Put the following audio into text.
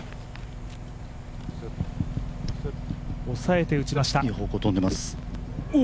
抑えて打ちました。